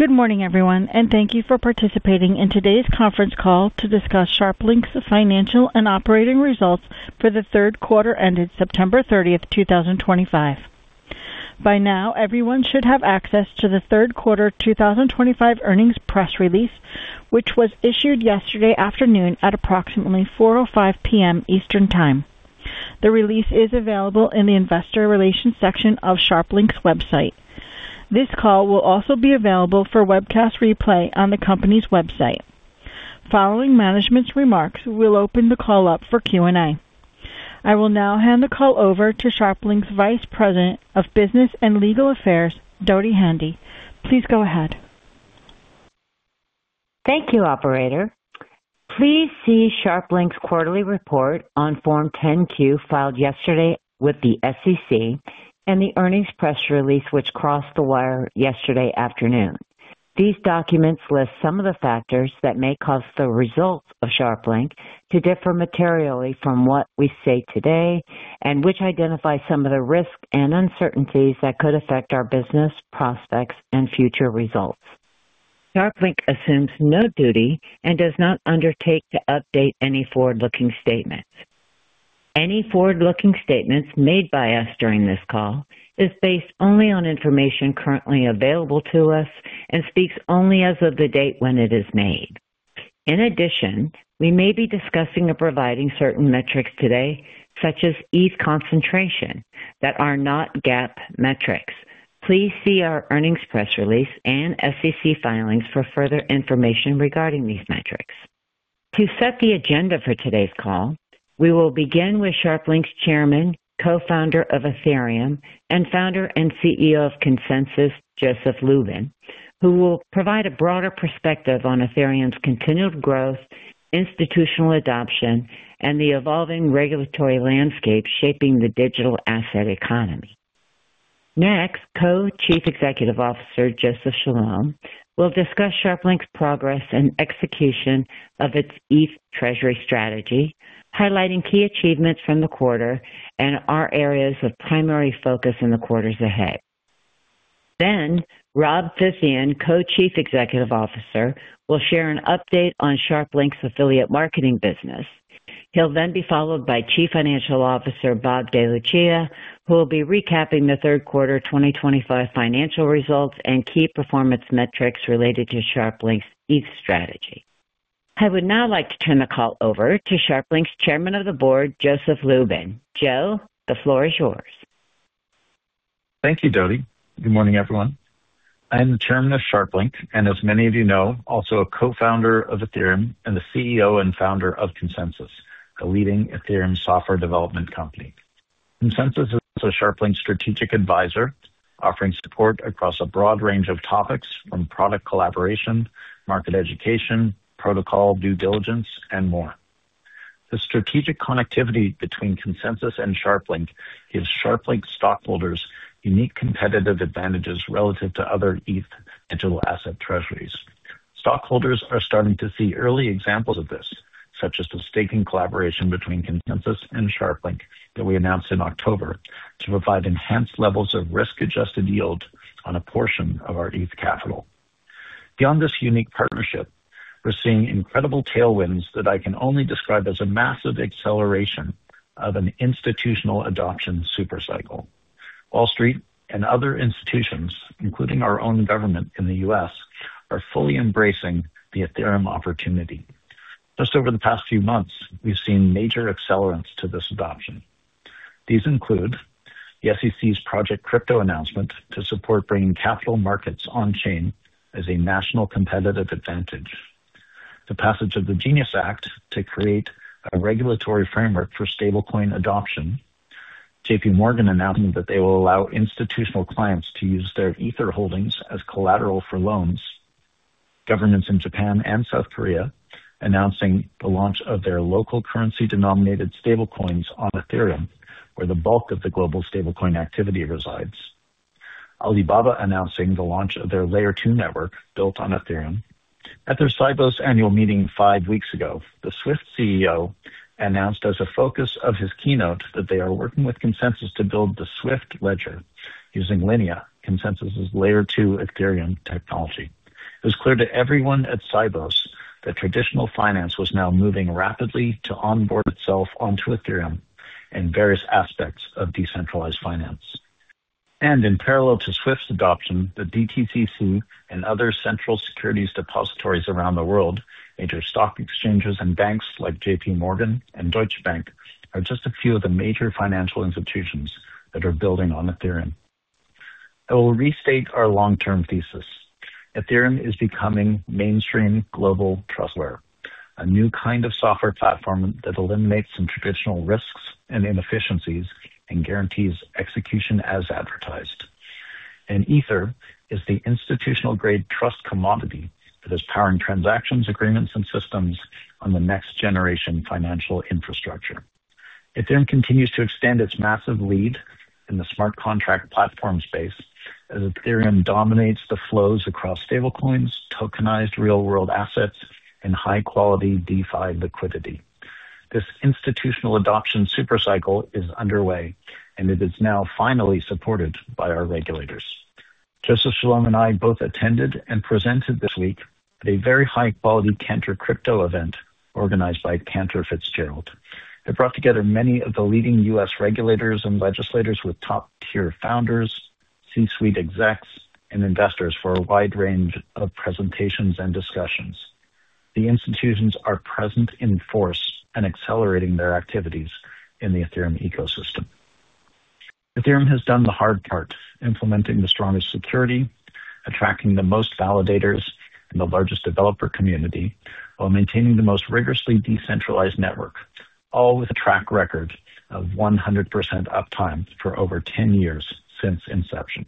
Good morning, everyone, and thank you for participating in today's conference call to discuss SharpLink's financial and operating results for the third quarter ended September 30, 2025. By now, everyone should have access to the third quarter 2025 earnings press release, which was issued yesterday afternoon at approximately 4:05 P.M. Eastern Time. The release is available in the investor relations section of SharpLink's website. This call will also be available for webcast replay on the company's website. Following management's remarks, we'll open the call up for Q&A. I will now hand the call over to SharpLink's Vice President of Business and Legal Affairs, Dodi Handy. Please go ahead. Thank you, Operator. Please see SharpLink's quarterly report on Form 10-Q filed yesterday with the SEC and the earnings press release which crossed the wire yesterday afternoon. These documents list some of the factors that may cause the results of SharpLink to differ materially from what we see today and which identify some of the risks and uncertainties that could affect our business prospects and future results. SharpLink assumes no duty and does not undertake to update any forward-looking statements. Any forward-looking statements made by us during this call are based only on information currently available to us and speak only as of the date when it is made. In addition, we may be discussing or providing certain metrics today, such as ETH concentration, that are not GAAP metrics. Please see our earnings press release and SEC filings for further information regarding these metrics. To set the agenda for today's call, we will begin with SharpLink's Chairman, Co-founder of Ethereum, and Founder and CEO of ConsenSys, Joseph Lubin, who will provide a broader perspective on Ethereum's continued growth, institutional adoption, and the evolving regulatory landscape shaping the digital asset economy. Next, Co-Chief Executive Officer Joseph Chalom will discuss SharpLink's progress and execution of its ETH treasury strategy, highlighting key achievements from the quarter and our areas of primary focus in the quarters ahead. Next, Rob Phythian, Co-Chief Executive Officer, will share an update on SharpLink's affiliate marketing business. He'll then be followed by Chief Financial Officer Bob DeLucia, who will be recapping the third quarter 2025 financial results and key performance metrics related to SharpLink's ETH strategy. I would now like to turn the call over to SharpLink's Chairman of the Board, Joseph Lubin. Joe, the floor is yours. Thank you, Dodi. Good morning, everyone. I am the Chairman of SharpLink, and as many of you know, also a Co-founder of Ethereum and the CEO and Founder of ConsenSys, a leading Ethereum software development company. ConsenSys is also SharpLink's strategic advisor, offering support across a broad range of topics from product collaboration, market education, protocol due diligence, and more. The strategic connectivity between ConsenSys and SharpLink gives SharpLink stockholders unique competitive advantages relative to other ETH digital asset treasuries. Stockholders are starting to see early examples of this, such as the staking collaboration between ConsenSys and SharpLink that we announced in October to provide enhanced levels of risk-adjusted yield on a portion of our ETH capital. Beyond this unique partnership, we're seeing incredible tailwinds that I can only describe as a massive acceleration of an institutional adoption supercycle. Wall Street and other institutions, including our own government in the U.S., are fully embracing the Ethereum opportunity. Just over the past few months, we've seen major accelerants to this adoption. These include the SEC's Project Crypto announcement to support bringing capital markets on-chain as a national competitive advantage, the passage of the GENIUS Act to create a regulatory framework for stablecoin adoption. JPMorgan announced that they will allow institutional clients to use their Ether holdings as collateral for loans. Governments in Japan and South Korea announcing the launch of their local currency-denominated stablecoins on Ethereum, where the bulk of the global stablecoin activity resides. Alibaba announcing the launch of their Layer 2 network built on Ethereum. At their Cybos annual meeting five weeks ago, the SWIFT CEO announced as a focus of his keynote that they are working with ConsenSys to build the SWIFT ledger using Linea, ConsenSys' Layer 2 Ethereum technology. It was clear to everyone at Cybos that traditional finance was now moving rapidly to onboard itself onto Ethereum and various aspects of decentralized finance. In parallel to SWIFT's adoption, the DTCC and other central securities depositories around the world, major stock exchanges and banks like JPMorgan and Deutsche Bank are just a few of the major financial institutions that are building on Ethereum. I will restate our long-term thesis. Ethereum is becoming mainstream global trustware, a new kind of software platform that eliminates some traditional risks and inefficiencies and guarantees execution as advertised. Ether is the institutional-grade trust commodity that is powering transactions, agreements, and systems on the next-generation financial infrastructure. Ethereum continues to expand its massive lead in the smart contract platform space as Ethereum dominates the flows across stablecoins, tokenized real-world assets, and high-quality DeFi liquidity. This institutional adoption supercycle is underway, and it is now finally supported by our regulators. Joseph Chalom and I both attended and presented this week at a very high-quality Cantor Crypto event organized by Cantor Fitzgerald. It brought together many of the leading U.S. regulators and legislators with top-tier founders, C-suite execs, and investors for a wide range of presentations and discussions. The institutions are present in force and accelerating their activities in the Ethereum ecosystem. Ethereum has done the hard part, implementing the strongest security, attracting the most validators, and the largest developer community while maintaining the most rigorously decentralized network, all with a track record of 100% uptime for over 10 years since inception.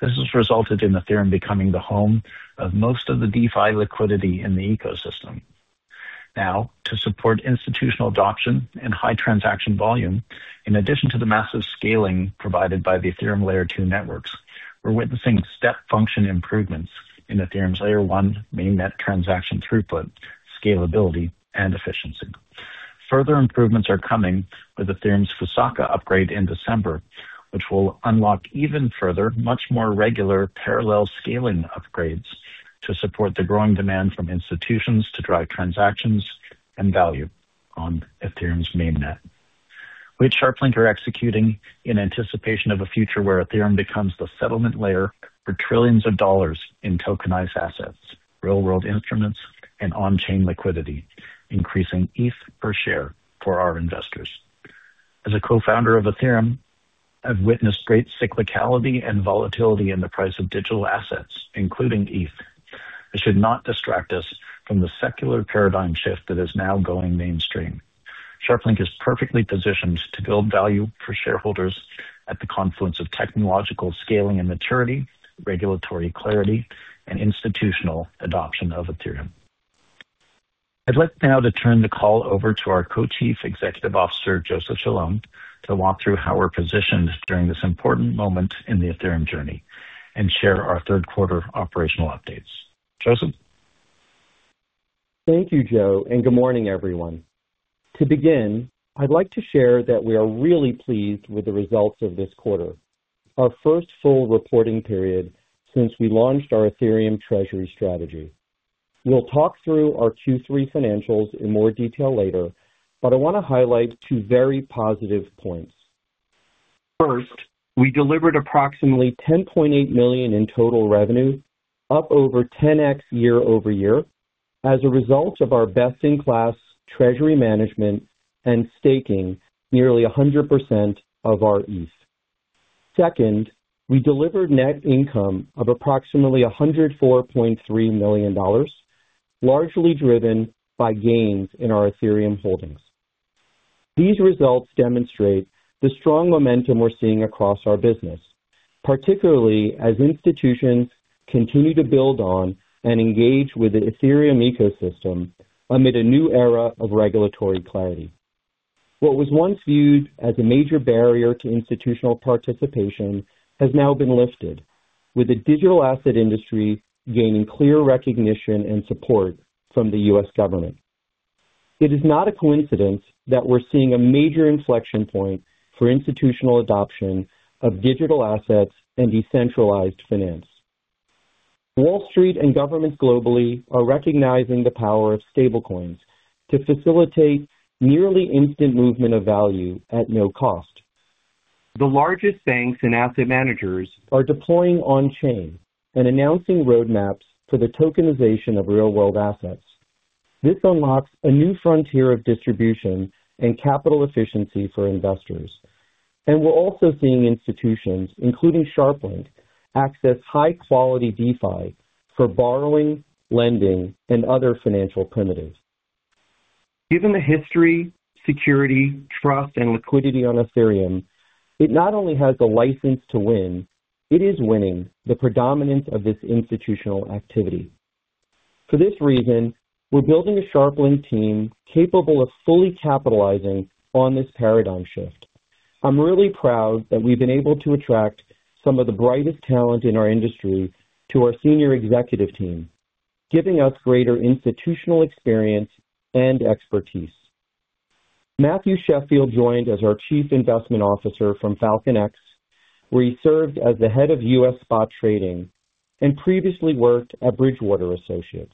This has resulted in Ethereum becoming the home of most of the DeFi liquidity in the ecosystem. Now, to support institutional adoption and high transaction volume, in addition to the massive scaling provided by the Ethereum Layer 2 networks, we're witnessing step function improvements in Ethereum's Layer 1 mainnet transaction throughput, scalability, and efficiency. Further improvements are coming with Ethereum's Fusaka upgrade in December 2025, which will unlock even further, much more regular parallel scaling upgrades to support the growing demand from institutions to drive transactions and value on Ethereum's mainnet. We at SharpLink are executing in anticipation of a future where Ethereum becomes the settlement layer for trillions of dollars in tokenized assets, real-world instruments, and on-chain liquidity, increasing ETH per share for our investors. As a Co-founder of Ethereum, I've witnessed great cyclicality and volatility in the price of digital assets, including ETH. It should not distract us from the secular paradigm shift that is now going mainstream. SharpLink is perfectly positioned to build value for shareholders at the confluence of technological scaling and maturity, regulatory clarity, and institutional adoption of Ethereum. I'd like now to turn the call over to our Co-Chief Executive Officer, Joseph Chalom, to walk through how we're positioned during this important moment in the Ethereum journey and share our third quarter operational updates. Joseph? Thank you, Joe, and good morning, everyone. To begin, I'd like to share that we are really pleased with the results of this quarter, our first full reporting period since we launched our Ethereum treasury strategy. We'll talk through our Q3 financials in more detail later, but I want to highlight two very positive points. First, we delivered approximately $10.8 million in total revenue, up over 10X year-over-year, as a result of our best-in-class treasury management and staking nearly 100% of our ETH. Second, we delivered net income of approximately $104.3 million, largely driven by gains in our Ethereum holdings. These results demonstrate the strong momentum we're seeing across our business, particularly as institutions continue to build on and engage with the Ethereum ecosystem amid a new era of regulatory clarity. What was once viewed as a major barrier to institutional participation has now been lifted, with the digital asset industry gaining clear recognition and support from the U.S. government. It is not a coincidence that we're seeing a major inflection point for institutional adoption of digital assets and decentralized finance. Wall Street and governments globally are recognizing the power of stablecoins to facilitate nearly instant movement of value at no cost. The largest banks and asset managers are deploying on-chain and announcing roadmaps for the tokenization of real-world assets. This unlocks a new frontier of distribution and capital efficiency for investors. We are also seeing institutions, including SharpLink, access high-quality DeFi for borrowing, lending, and other financial primitives. Given the history, security, trust, and liquidity on Ethereum, it not only has the license to win, it is winning the predominance of this institutional activity. For this reason, we're building a SharpLink team capable of fully capitalizing on this paradigm shift. I'm really proud that we've been able to attract some of the brightest talent in our industry to our senior executive team, giving us greater institutional experience and expertise. Matthew Sheffield joined as our Chief Investment Officer from FalconX, where he served as the head of U.S. spot trading and previously worked at Bridgewater Associates.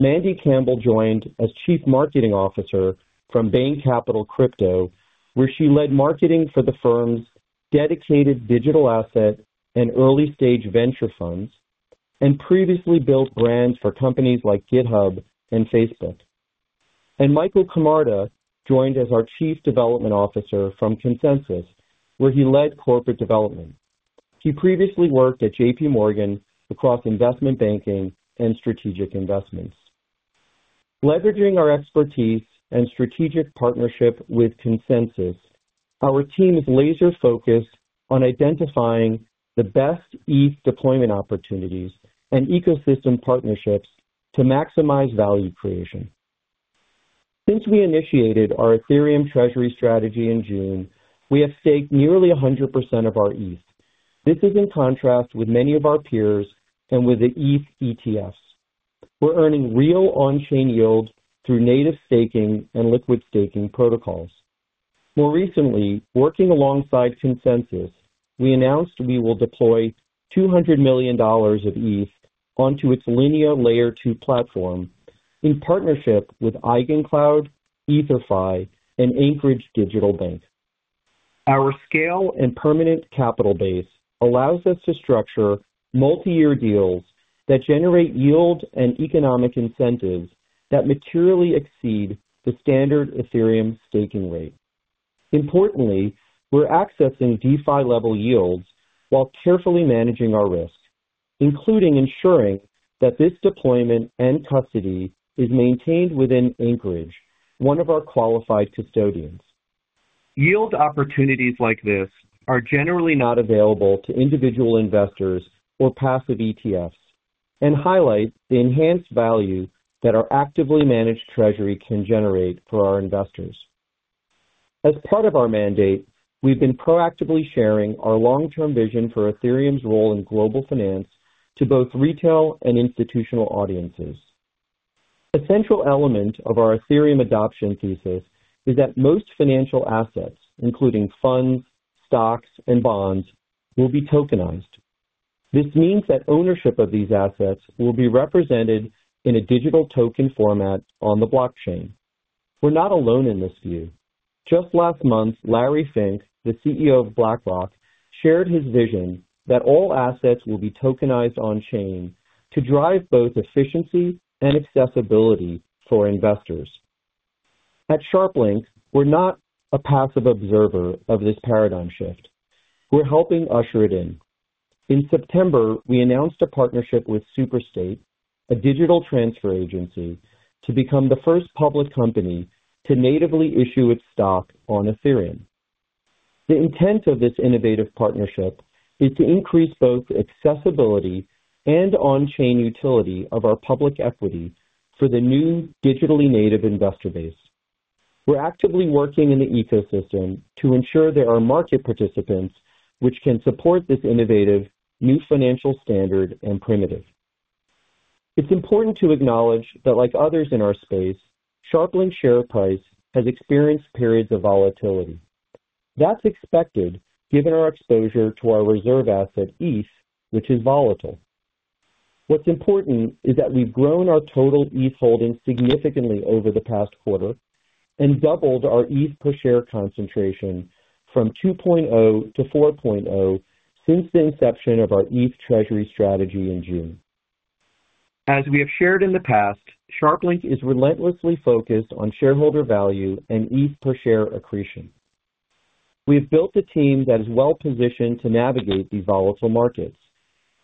Mandy Campbell joined as Chief Marketing Officer from Bain Capital Crypto, where she led marketing for the firm's dedicated digital asset and early-stage venture funds and previously built brands for companies like GitHub and Facebook. Michael Camarda joined as our Chief Development Officer from ConsenSys, where he led corporate development. He previously worked at JPMorgan across investment banking and strategic investments. Leveraging our expertise and strategic partnership with ConsenSys, our team is laser-focused on identifying the best ETH deployment opportunities and ecosystem partnerships to maximize value creation. Since we initiated our Ethereum treasury strategy in June, we have staked nearly 100% of our ETH. This is in contrast with many of our peers and with the ETH ETFs. We're earning real on-chain yield through native staking and liquid staking protocols. More recently, working alongside ConsenSys, we announced we will deploy $200 million of ETH onto its Linea, Layer 2 platform in partnership with EigenLayer, Ether.fi, and Anchorage Digital Bank. Our scale and permanent capital base allows us to structure multi-year deals that generate yield and economic incentives that materially exceed the standard Ethereum staking rate. Importantly, we're accessing DeFi-level yields while carefully managing our risk, including ensuring that this deployment and custody is maintained within Anchorage, one of our qualified custodians. Yield opportunities like this are generally not available to individual investors or passive ETFs and highlight the enhanced value that our actively managed treasury can generate for our investors. As part of our mandate, we've been proactively sharing our long-term vision for Ethereum's role in global finance to both retail and institutional audiences. A central element of our Ethereum adoption thesis is that most financial assets, including funds, stocks, and bonds, will be tokenized. This means that ownership of these assets will be represented in a digital token format on the blockchain. We're not alone in this view. Just last month, Larry Fink, the CEO of BlackRock, shared his vision that all assets will be tokenized on-chain to drive both efficiency and accessibility for investors. At SharpLink, we're not a passive observer of this paradigm shift. We're helping usher it in. In September, we announced a partnership with Superstate, a digital transfer agency, to become the first public company to natively issue its stock on Ethereum. The intent of this innovative partnership is to increase both accessibility and on-chain utility of our public equity for the new digitally native investor base. We're actively working in the ecosystem to ensure there are market participants which can support this innovative new financial standard and primitive. It's important to acknowledge that, like others in our space, SharpLink's share price has experienced periods of volatility. That's expected given our exposure to our reserve asset, ETH, which is volatile. What's important is that we've grown our total ETH holdings significantly over the past quarter and doubled our ETH per share concentration from 2.0 to 4.0 since the inception of our ETH treasury strategy in June. As we have shared in the past, SharpLink is relentlessly focused on shareholder value and ETH per share accretion. We have built a team that is well-positioned to navigate these volatile markets.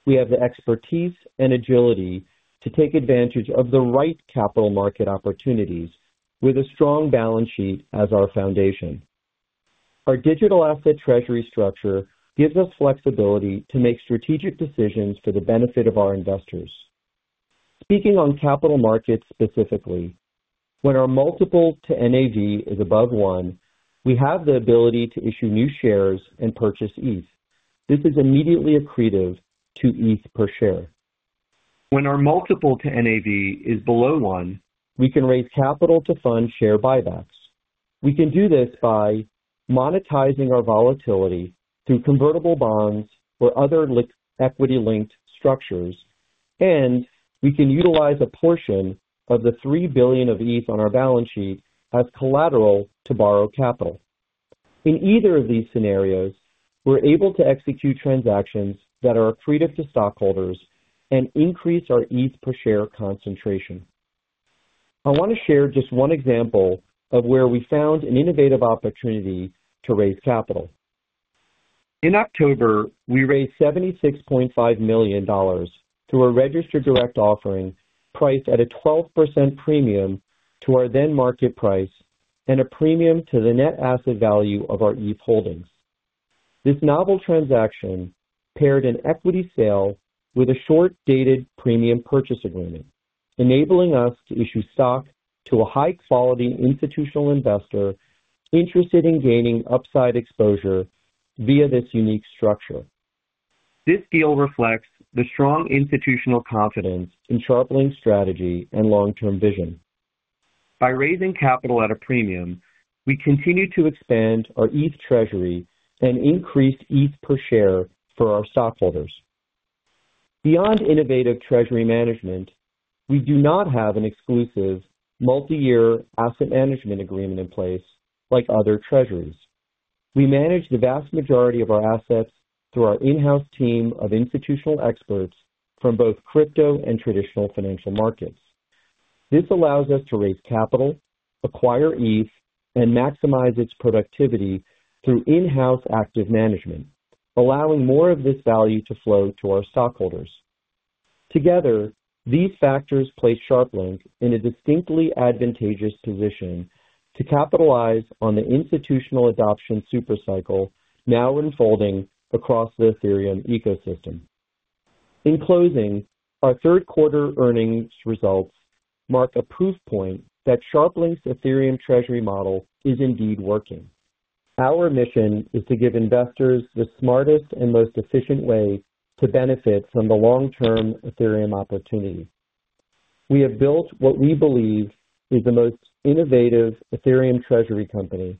We have the expertise and agility to take advantage of the right capital market opportunities with a strong balance sheet as our foundation. Our digital asset treasury structure gives us flexibility to make strategic decisions for the benefit of our investors. Speaking on capital markets specifically, when our multiple to NAV is above one, we have the ability to issue new shares and purchase ETH. This is immediately accretive to ETH per share. When our multiple to NAV is below one, we can raise capital to fund share buybacks. We can do this by monetizing our volatility through convertible bonds or other equity-linked structures, and we can utilize a portion of the $3 billion of ETH on our balance sheet as collateral to borrow capital. In either of these scenarios, we're able to execute transactions that are accretive to stockholders and increase our ETH per share concentration. I want to share just one example of where we found an innovative opportunity to raise capital. In October, we raised $76.5 million through a registered direct offering priced at a 12% premium to our then-market price and a premium to the net asset value of our ETH holdings. This novel transaction paired an equity sale with a short-dated premium purchase agreement, enabling us to issue stock to a high-quality institutional investor interested in gaining upside exposure via this unique structure. This deal reflects the strong institutional confidence in SharpLink's strategy and long-term vision. By raising capital at a premium, we continue to expand our ETH treasury and increase ETH per share for our stockholders. Beyond innovative treasury management, we do not have an exclusive multi-year asset management agreement in place like other treasuries. We manage the vast majority of our assets through our in-house team of institutional experts from both crypto and traditional financial markets. This allows us to raise capital, acquire ETH, and maximize its productivity through in-house active management, allowing more of this value to flow to our stockholders. Together, these factors place SharpLink in a distinctly advantageous position to capitalize on the institutional adoption supercycle now unfolding across the Ethereum ecosystem. In closing, our third quarter earnings results mark a proof point that SharpLink's Ethereum treasury model is indeed working. Our mission is to give investors the smartest and most efficient way to benefit from the long-term Ethereum opportunity. We have built what we believe is the most innovative Ethereum treasury company,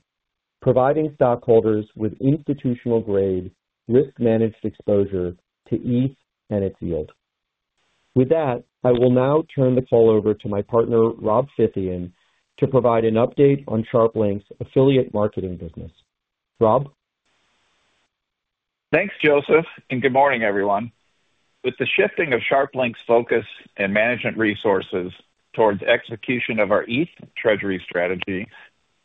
providing stockholders with institutional-grade risk-managed exposure to ETH and its yield. With that, I will now turn the call over to my partner, Rob Phythian, to provide an update on SharpLink's affiliate marketing business. Rob? Thanks, Joseph, and good morning, everyone. With the shifting of SharpLink's focus and management resources towards execution of our ETH treasury strategy,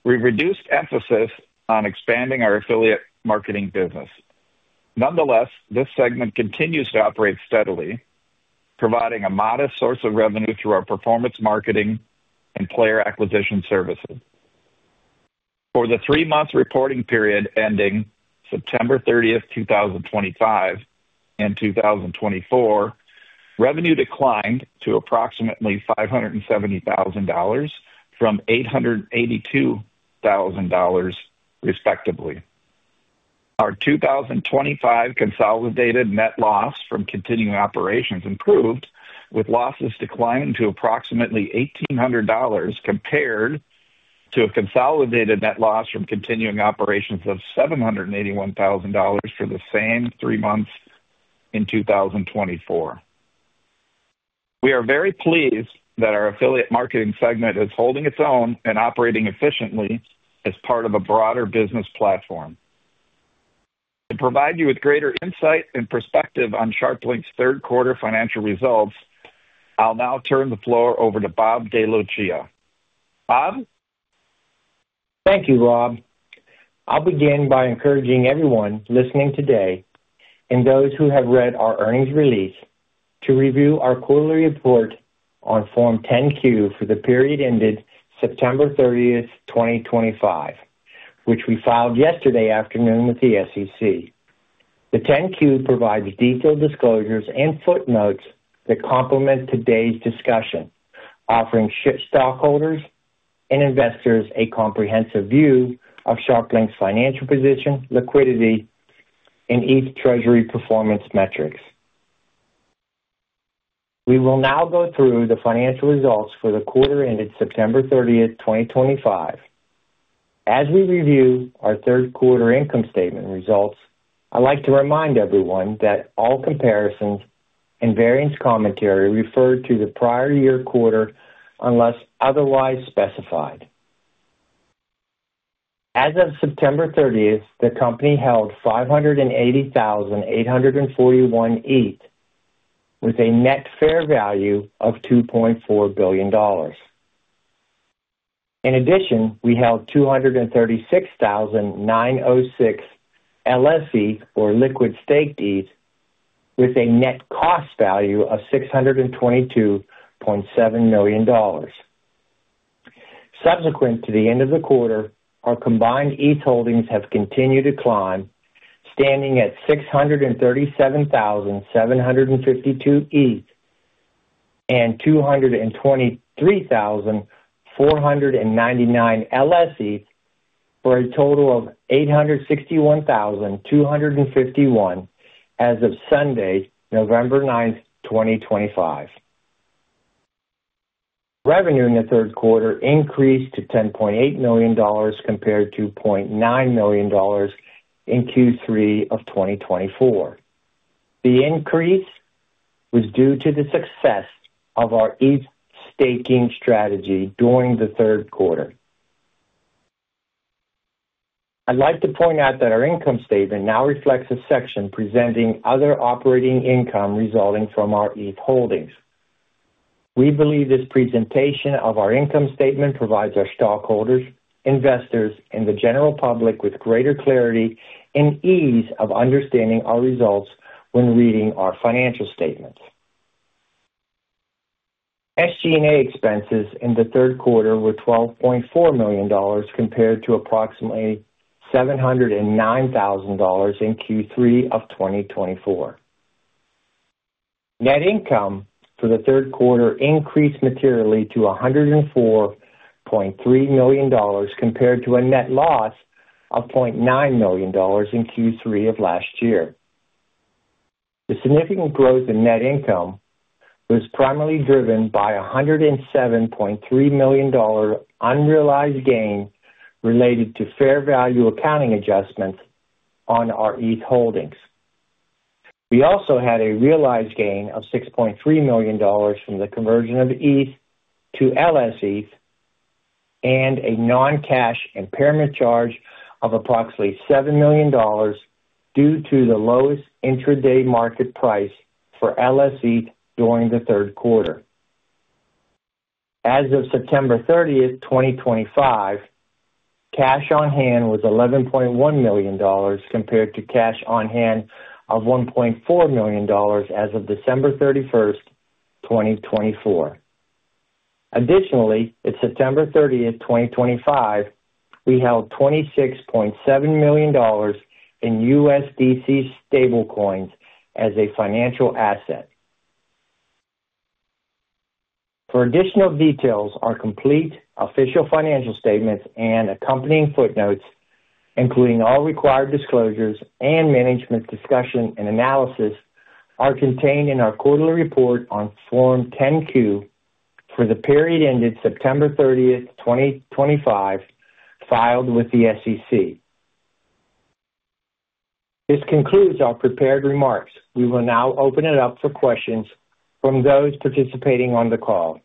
we've reduced emphasis on expanding our affiliate marketing business. Nonetheless, this segment continues to operate steadily, providing a modest source of revenue through our performance marketing and player acquisition services. For the three-month reporting period ending September 30, 2025, and 2024, revenue declined to approximately $570,000 from $882,000, respectively. Our 2025 consolidated net loss from continuing operations improved, with losses declining to approximately $1,800 compared to a consolidated net loss from continuing operations of $781,000 for the same three months in 2024. We are very pleased that our affiliate marketing segment is holding its own and operating efficiently as part of a broader business platform. To provide you with greater insight and perspective on SharpLink's third quarter financial results, I'll now turn the floor over to Bob DeLucia. Bob? Thank you, Rob. I'll begin by encouraging everyone listening today and those who have read our earnings release to review our quarterly report on Form 10-Q for the period ended September 30, 2025, which we filed yesterday afternoon with the SEC. The 10-Q provides detailed disclosures and footnotes that complement today's discussion, offering SharpLink stockholders and investors a comprehensive view of SharpLink's financial position, liquidity, and ETH treasury performance metrics. We will now go through the financial results for the quarter ended September 30, 2025. As we review our third quarter income statement results, I'd like to remind everyone that all comparisons and variance commentary refer to the prior year quarter unless otherwise specified. As of September 30, the company held 580,841 ETH with a net fair value of $2.4 billion. In addition, we held 236,906 LsETH, or liquid staked ETH, with a net cost value of $622.7 million. Subsequent to the end of the quarter, our combined ETH holdings have continued to climb, standing at 637,752 ETH and 223,499 LsETH, for a total of 861,251 as of Sunday, November 9, 2025. Revenue in the third quarter increased to $10.8 million compared to $0.9 million in Q3 of 2024. The increase was due to the success of our ETH staking strategy during the third quarter. I'd like to point out that our income statement now reflects a section presenting other operating income resulting from our ETH holdings. We believe this presentation of our income statement provides our stockholders, investors, and the general public with greater clarity and ease of understanding our results when reading our financial statements. SG&A expenses in the third quarter were $12.4 million compared to approximately $709,000 in Q3 of 2024. Net income for the third quarter increased materially to $104.3 million compared to a net loss of $0.9 million in Q3 of last year. The significant growth in net income was primarily driven by $107.3 million unrealized gain related to fair value accounting adjustments on our ETH holdings. We also had a realized gain of $6.3 million from the conversion of ETH to LSE and a non-cash impairment charge of approximately $7 million due to the lowest intraday market price for LSE during the third quarter. As of September 30, 2025, cash on hand was $11.1 million compared to cash on hand of $1.4 million as of December 31st, 2024. Additionally, at September 30th, 2025, we held $26.7 million in USDC stablecoins as a financial asset. For additional details, our complete official financial statements and accompanying footnotes, including all required disclosures and management discussion and analysis, are contained in our quarterly report on Form 10-Q for the period ended September 30th, 2025, filed with the SEC. This concludes our prepared remarks. We will now open it up for questions from those participating on the call.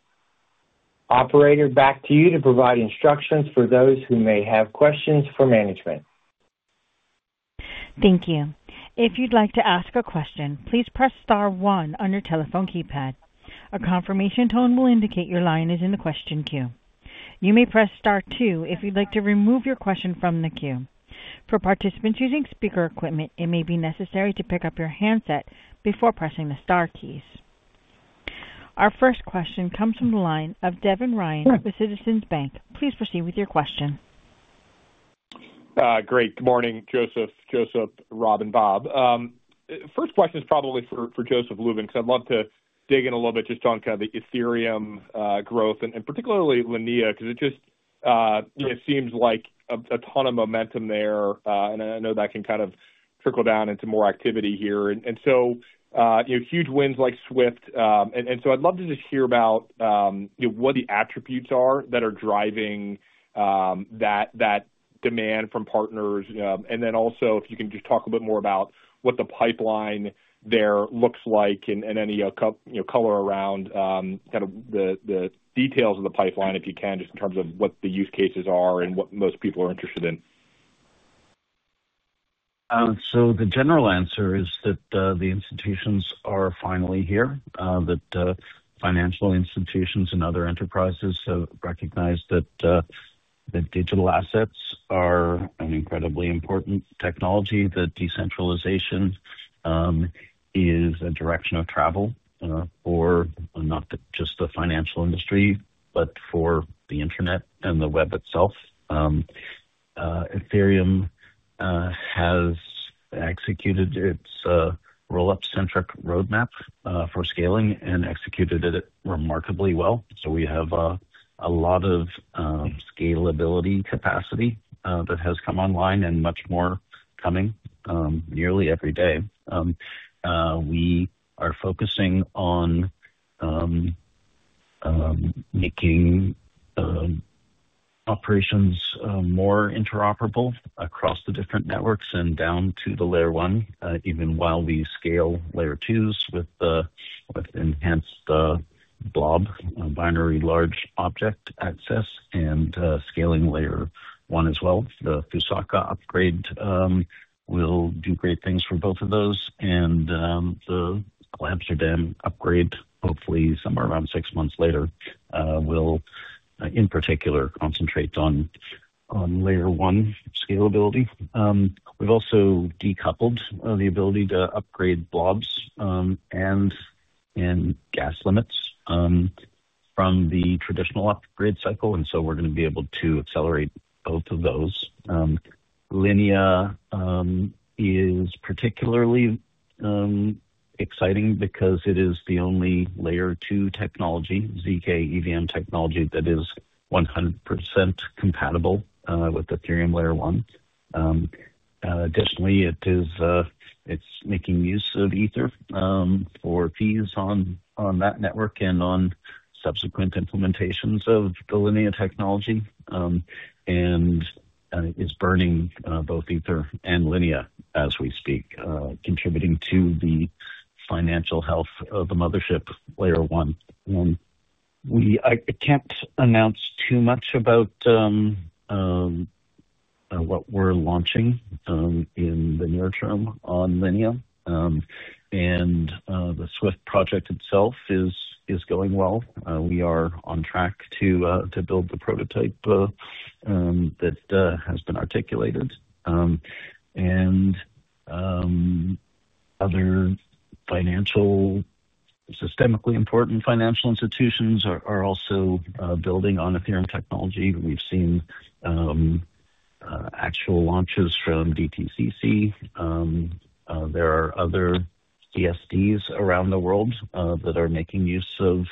Operator, back to you to provide instructions for those who may have questions for management. Thank you. If you'd like to ask a question, please press star one on your telephone keypad. A confirmation tone will indicate your line is in the question queue. You may press star two if you'd like to remove your question from the queue. For participants using speaker equipment, it may be necessary to pick up your handset before pressing the star keys. Our first question comes from the line of Devin Ryan with Citizens Bank. Please proceed with your question. Great. Good morning, Joseph, Joseph, Rob, and Bob. First question is probably for Joseph Lubin, because I'd love to dig in a little bit just on kind of the Ethereum growth and particularly Linea, because it just seems like a ton of momentum there, and I know that can kind of trickle down into more activity here. Huge wins like SWIFT. I'd love to just hear about what the attributes are that are driving that demand from partners. Also, if you can just talk a bit more about what the pipeline there looks like and any color around kind of the details of the pipeline, if you can, just in terms of what the use cases are and what most people are interested in. The general answer is that the institutions are finally here, that financial institutions and other enterprises have recognized that digital assets are an incredibly important technology, that decentralization is a direction of travel for not just the financial industry, but for the internet and the web itself. Ethereum has executed its roll-up-centric roadmap for scaling and executed it remarkably well. We have a lot of scalability capacity that has come online and much more coming nearly every day. We are focusing on making operations more interoperable across the different networks and down to the layer one, even while we scale layer twos with enhanced blob binary large object access and scaling layer one as well. The Fusaka upgrade will do great things for both of those. The Glamsterdam upgrade, hopefully somewhere around six months later, will in particular concentrate on layer one scalability. We've also decoupled the ability to upgrade blobs and gas limits from the traditional upgrade cycle. We are going to be able to accelerate both of those. Linea is particularly exciting because it is the only Layer 2 technology, ZK EVM technology, that is 100% compatible with Ethereum Layer 1. Additionally, it's making use of Ether for fees on that network and on subsequent implementations of the Linea technology and is burning both Ether and Linea as we speak, contributing to the financial health of the mothership Layer 1. I can't announce too much about what we're launching in the near term on Linea. The SWIFT project itself is going well. We are on track to build the prototype that has been articulated. Other systemically important financial institutions are also building on Ethereum technology. We've seen actual launches from DTCC. There are other ESDs around the world that are making use of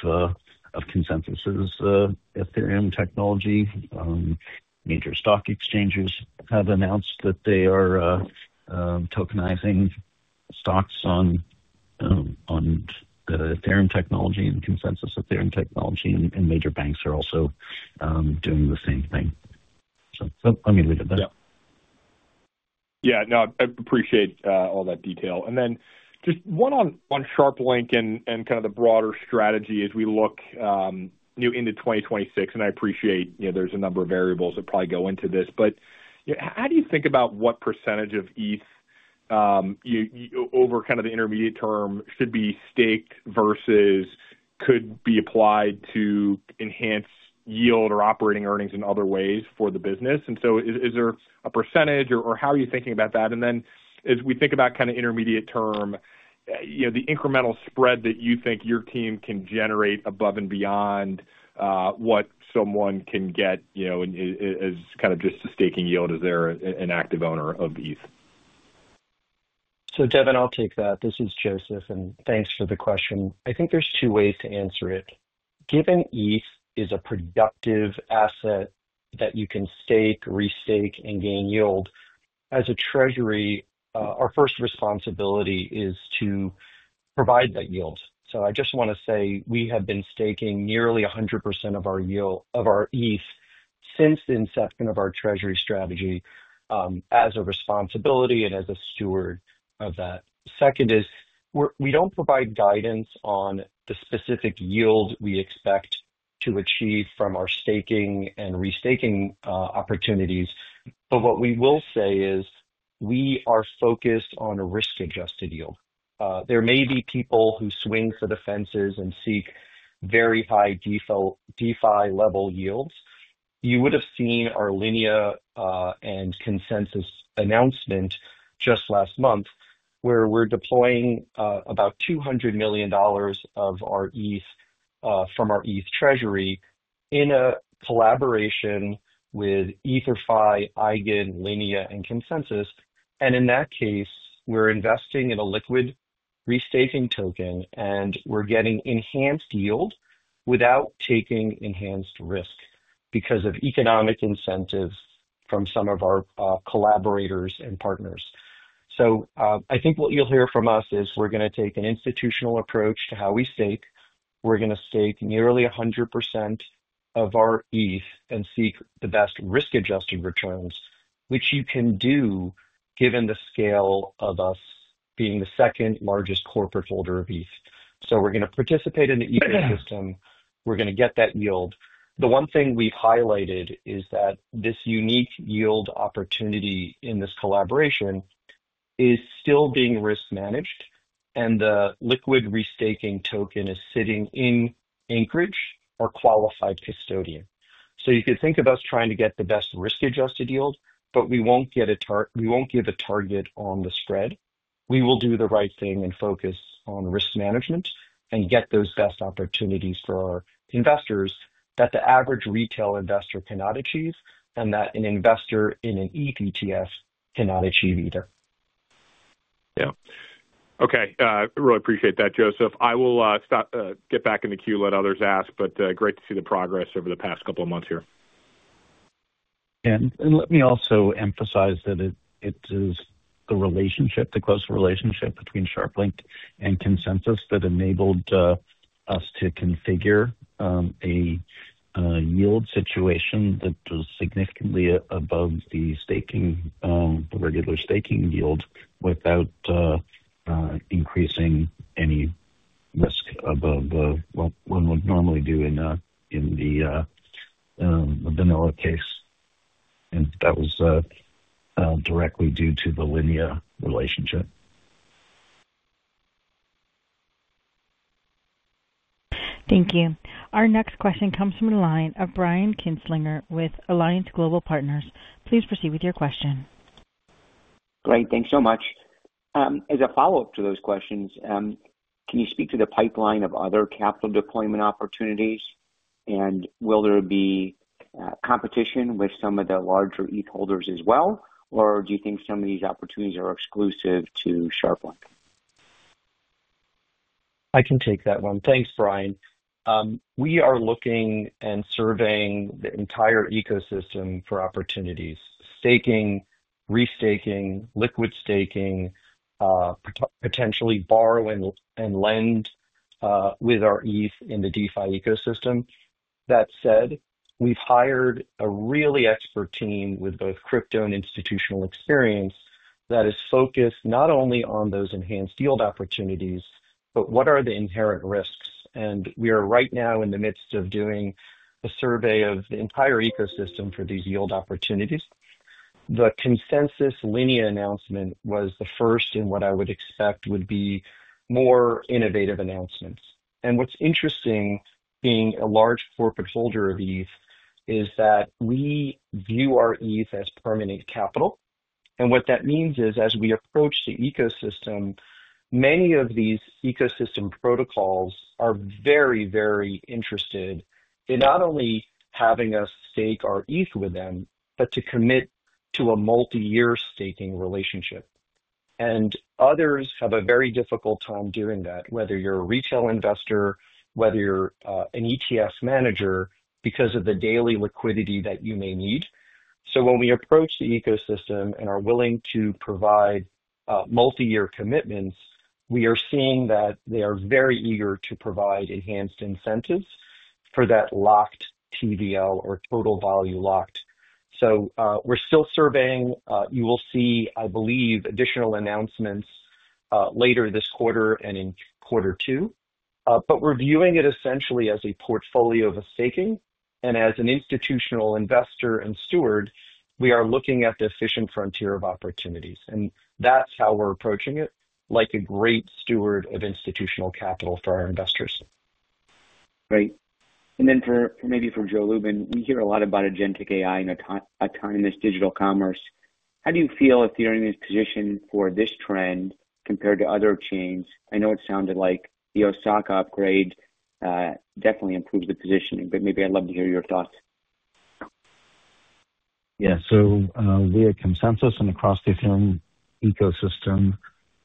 ConsenSys Ethereum technology. Major stock exchanges have announced that they are tokenizing stocks on Ethereum technology and ConsenSys Ethereum technology. Major banks are also doing the same thing. Let me leave it at that. Yeah. Yeah. No, I appreciate all that detail. And then just one on SharpLink and kind of the broader strategy as we look into 2026. I appreciate there's a number of variables that probably go into this. How do you think about what percentage of ETH over kind of the intermediate term should be staked versus could be applied to enhance yield or operating earnings in other ways for the business? Is there a percentage, or how are you thinking about that? As we think about kind of intermediate term, the incremental spread that you think your team can generate above and beyond what someone can get as kind of just the staking yield as they're an active owner of ETH? Devin, I'll take that. This is Joseph, and thanks for the question. I think there's two ways to answer it. Given ETH is a productive asset that you can stake, restake, and gain yield, as a treasury, our first responsibility is to provide that yield. I just want to say we have been staking nearly 100% of our yield of our ETH since the inception of our treasury strategy as a responsibility and as a steward of that. Second is we don't provide guidance on the specific yield we expect to achieve from our staking and restake opportunities. What we will say is we are focused on a risk-adjusted yield. There may be people who swing for the fences and seek very high DeFi level yields. You would have seen our Linea and ConsenSys announcement just last month where we're deploying about $200 million of our ETH from our ETH treasury in a collaboration with Ether.fi, EigenLayer, Linea, and ConsenSys. In that case, we're investing in a liquid restake token, and we're getting enhanced yield without taking enhanced risk because of economic incentives from some of our collaborators and partners. I think what you'll hear from us is we're going to take an institutional approach to how we stake. We're going to stake nearly 100% of our ETH and seek the best risk-adjusted returns, which you can do given the scale of us being the second largest corporate holder of ETH. We're going to participate in the ETH ecosystem. We're going to get that yield. The one thing we've highlighted is that this unique yield opportunity in this collaboration is still being risk managed, and the liquid restake token is sitting in Anchorage or qualified custodian. You could think of us trying to get the best risk-adjusted yield, but we won't give a target on the spread. We will do the right thing and focus on risk management and get those best opportunities for our investors that the average retail investor cannot achieve and that an investor in an ETF cannot achieve either. Yeah. Okay. Really appreciate that, Joseph. I will get back in the queue, let others ask, but great to see the progress over the past couple of months here. Let me also emphasize that it is the relationship, the close relationship between SharpLink and ConsenSys that enabled us to configure a yield situation that was significantly above the regular staking yield without increasing any risk above what one would normally do in the vanilla case. That was directly due to the Linea relationship. Thank you. Our next question comes from the line of Brian Kinstlinger with Alliance Global Partners. Please proceed with your question. Great. Thanks so much. As a follow-up to those questions, can you speak to the pipeline of other capital deployment opportunities? Will there be competition with some of the larger ETH holders as well, or do you think some of these opportunities are exclusive to SharpLink? I can take that one. Thanks, Brian. We are looking and surveying the entire ecosystem for opportunities: staking, restaking, liquid staking, potentially borrow and lend with our ETH in the DeFi ecosystem. That said, we've hired a really expert team with both crypto and institutional experience that is focused not only on those enhanced yield opportunities, but what are the inherent risks. We are right now in the midst of doing a survey of the entire ecosystem for these yield opportunities. The ConsenSys Linea announcement was the first in what I would expect would be more innovative announcements. What's interesting, being a large corporate holder of ETH, is that we view our ETH as permanent capital. What that means is, as we approach the ecosystem, many of these ecosystem protocols are very, very interested in not only having us stake our ETH with them, but to commit to a multi-year staking relationship. Others have a very difficult time doing that, whether you're a retail investor, whether you're an ETF manager, because of the daily liquidity that you may need. When we approach the ecosystem and are willing to provide multi-year commitments, we are seeing that they are very eager to provide enhanced incentives for that locked TVL or total value locked. We're still surveying. You will see, I believe, additional announcements later this quarter and in quarter two. We're viewing it essentially as a portfolio of staking. As an institutional investor and steward, we are looking at the efficient frontier of opportunities. That is how we're approaching it, like a great steward of institutional capital for our investors. Great. Maybe for Joe Lubin, we hear a lot about agentic AI and autonomous digital commerce. How do you feel Ethereum's positioned for this trend compared to other chains? I know it sounded like the Fusaka upgrade definitely improved the position, but maybe I'd love to hear your thoughts. Yeah. So we at ConsenSys and across the Ethereum ecosystem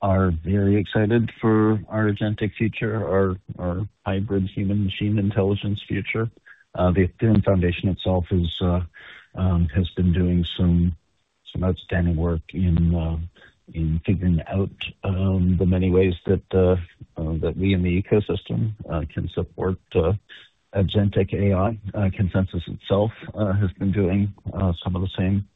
are very excited for our agentic future, our hybrid human-machine intelligence future. The Ethereum Foundation itself has been doing some outstanding work in figuring out the many ways that we in the ecosystem can support agentic AI. ConsenSys itself has been doing some of the same.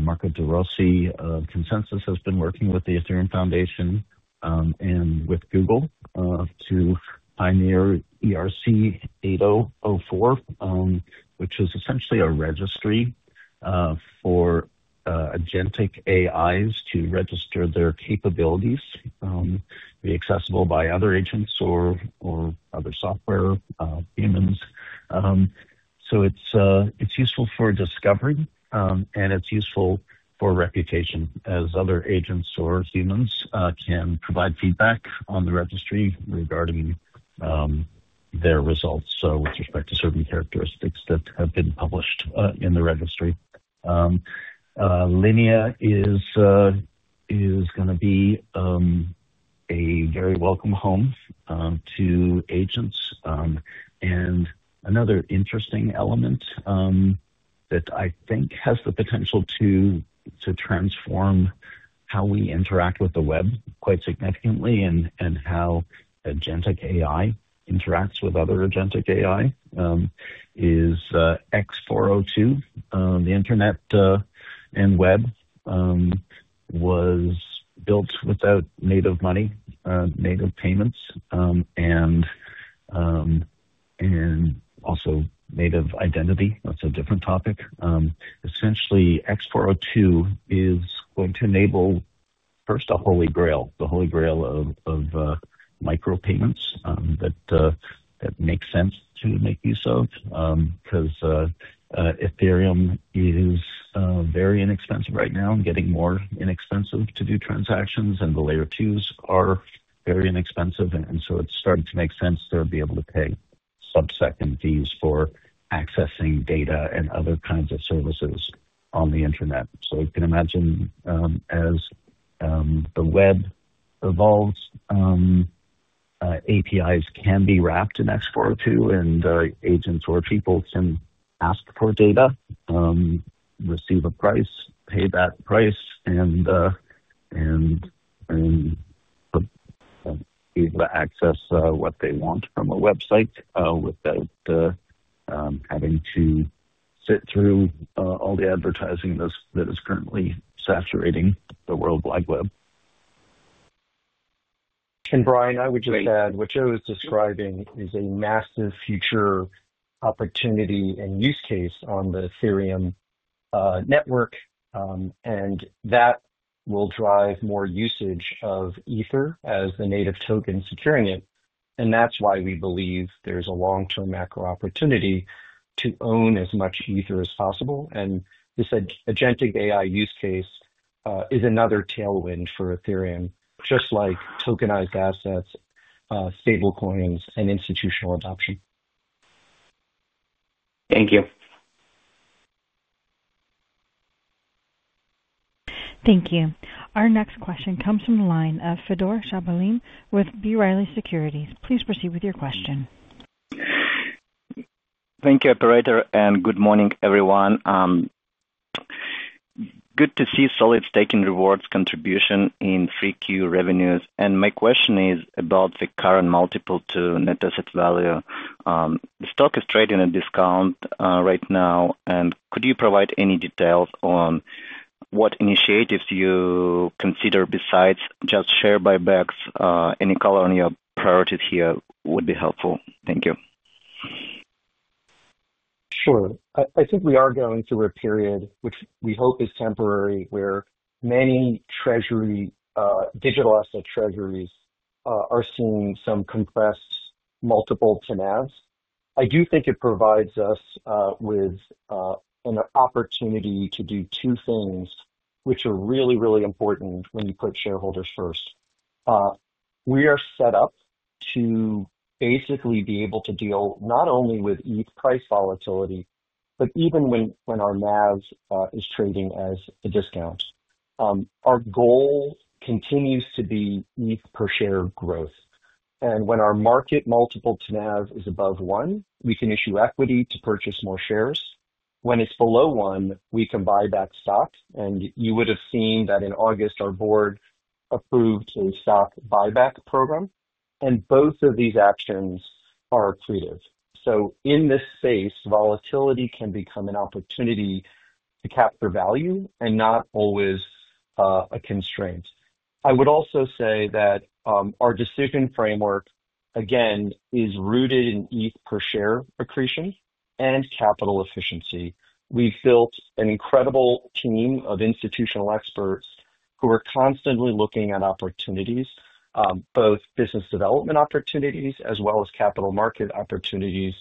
Marco De Rossi of ConsenSys has been working with the Ethereum Foundation and with Google to pioneer ERC-8004, which is essentially a registry for agentic AIs to register their capabilities to be accessible by other agents or other software humans. It is useful for discovery, and it is useful for reputation, as other agents or humans can provide feedback on the registry regarding their results, with respect to certain characteristics that have been published in the registry. Linea is going to be a very welcome home to agents. Another interesting element that I think has the potential to transform how we interact with the web quite significantly and how agentic AI interacts with other agentic AI is X402. The internet and web was built without native money, native payments, and also native identity. That is a different topic. Essentially, X402 is going to enable, first off, Holy Grail, the Holy Grail of micropayments that make sense to make use of because Ethereum is very inexpensive right now and getting more inexpensive to do transactions. The Layer 2s are very inexpensive. It is starting to make sense to be able to pay subsecond fees for accessing data and other kinds of services on the internet. You can imagine, as the web evolves, APIs can be wrapped in X402, and agents or people can ask for data, receive a price, pay that price, and be able to access what they want from a website without having to sit through all the advertising that is currently saturating the world like web. Brian, I would just add what Joe is describing is a massive future opportunity and use case on the Ethereum network. That will drive more usage of Ether as the native token securing it. That is why we believe there is a long-term macro opportunity to own as much Ether as possible. This agentic AI use case is another tailwind for Ethereum, just like tokenized assets, stablecoins, and institutional adoption. Thank you. Thank you. Our next question comes from the line of Fedor Shabalin with B. Riley Securities. Please proceed with your question. Thank you, Operator, and good morning, everyone. Good to see solid staking rewards contribution in FreeQ revenues. My question is about the current multiple to net asset value. The stock is trading at a discount right now. Could you provide any details on what initiatives you consider besides just share buybacks? Any color on your priorities here would be helpful. Thank you. Sure. I think we are going through a period, which we hope is temporary, where many digital asset treasuries are seeing some compressed multiple to NAVs. I do think it provides us with an opportunity to do two things, which are really, really important when you put shareholders first. We are set up to basically be able to deal not only with ETH price volatility, but even when our NAVs is trading at a discount. Our goal continues to be ETH per share growth. When our market multiple to NAV is above one, we can issue equity to purchase more shares. When it is below one, we can buy back stock. You would have seen that in August, our board approved a stock buyback program. Both of these actions are accretive. In this space, volatility can become an opportunity to capture value and not always a constraint. I would also say that our decision framework, again, is rooted in ETH per share accretion and capital efficiency. We've built an incredible team of institutional experts who are constantly looking at opportunities, both business development opportunities as well as capital market opportunities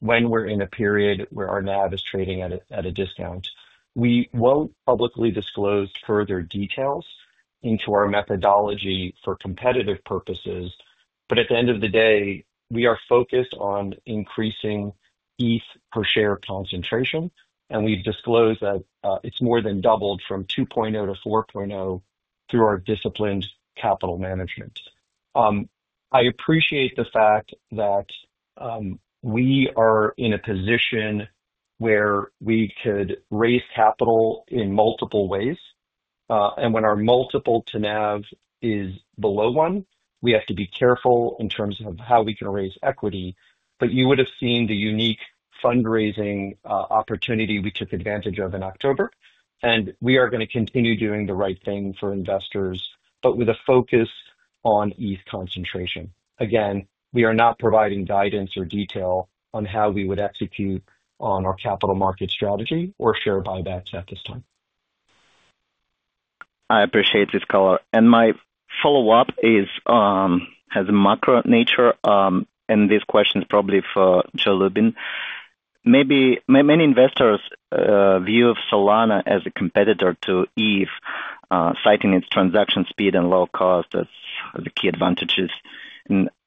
when we're in a period where our NAV is trading at a discount. We won't publicly disclose further details into our methodology for competitive purposes. At the end of the day, we are focused on increasing ETH per share concentration. We've disclosed that it's more than doubled from 2.0 to 4.0 through our disciplined capital management. I appreciate the fact that we are in a position where we could raise capital in multiple ways. When our multiple to NAV is below one, we have to be careful in terms of how we can raise equity. You would have seen the unique fundraising opportunity we took advantage of in October. We are going to continue doing the right thing for investors, but with a focus on ETH concentration. Again, we are not providing guidance or detail on how we would execute on our capital market strategy or share buybacks at this time. I appreciate this color. My follow-up has a macro nature. This question is probably for Joe Lubin. Many investors view Solana as a competitor to ETH, citing its transaction speed and low cost as the key advantages.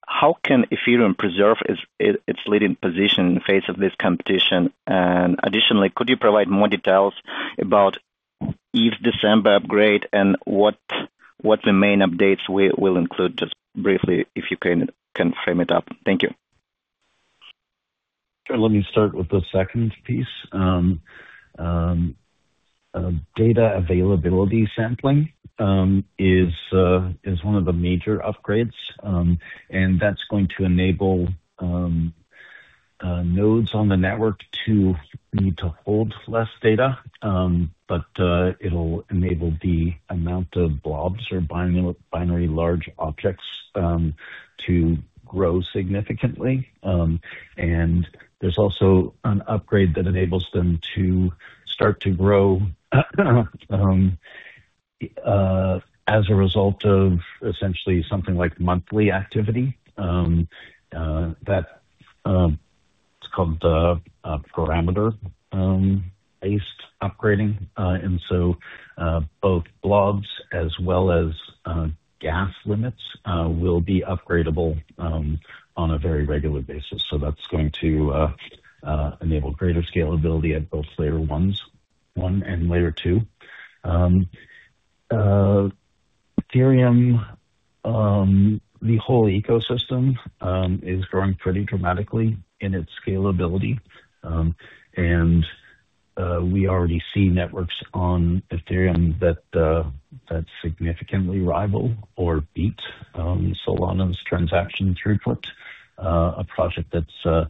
How can Ethereum preserve its leading position in the face of this competition? Additionally, could you provide more details about ETH December upgrade and what the main updates will include? Just briefly, if you can frame it up. Thank you. Sure. Let me start with the second piece. Data availability sampling is one of the major upgrades. That is going to enable nodes on the network to need to hold less data. It will enable the amount of blobs or binary large objects to grow significantly. There is also an upgrade that enables them to start to grow as a result of essentially something like monthly activity. That is called parameter-based upgrading. Both blobs as well as gas limits will be upgradable on a very regular basis. That is going to enable greater scalability at both Layer 1 and Layer 2. Ethereum, the whole ecosystem, is growing pretty dramatically in its scalability. We already see networks on Ethereum that significantly rival or beat Solana's transaction throughput. A project that's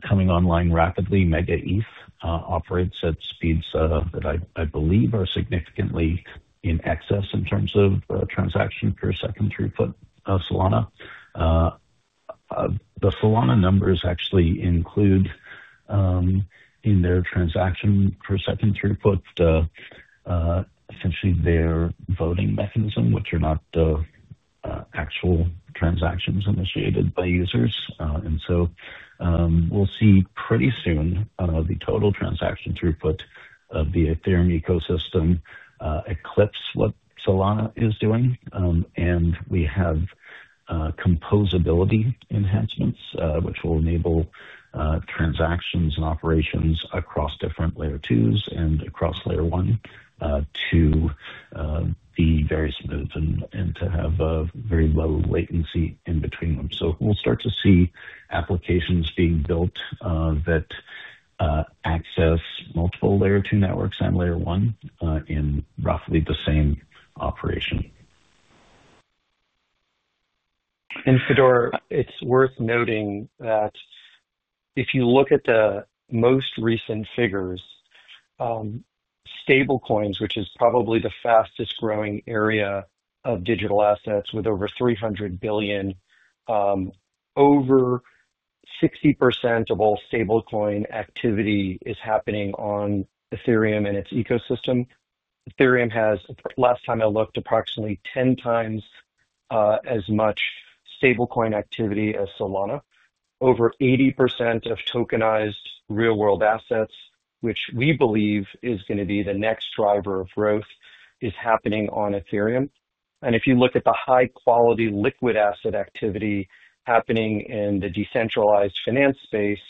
coming online rapidly, MegaETH, operates at speeds that I believe are significantly in excess in terms of transaction per second throughput of Solana. The Solana numbers actually include in their transaction per second throughput essentially their voting mechanism, which are not actual transactions initiated by users. We will see pretty soon the total transaction throughput of the Ethereum ecosystem eclipse what Solana is doing. We have composability enhancements, which will enable transactions and operations across different Layer 2s and across Layer 1 to be very smooth and to have very low latency in between them. We will start to see applications being built that access multiple Layer 2 networks and Layer 1 in roughly the same operation. Fedor, it's worth noting that if you look at the most recent figures, stablecoins, which is probably the fastest growing area of digital assets with over $300 billion, over 60% of all stablecoin activity is happening on Ethereum and its ecosystem. Ethereum has, last time I looked, approximately 10 times as much stablecoin activity as Solana. Over 80% of tokenized real-world assets, which we believe is going to be the next driver of growth, is happening on Ethereum. If you look at the high-quality liquid asset activity happening in the decentralized finance space,